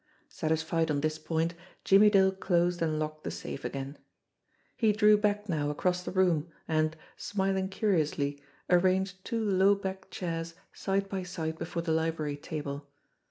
Satisfied on this point, Jimmie Dale closed and locked the safe again. He drew back now across the room, and, smiling curiously, arranged two low backed chairs side by side before the library table.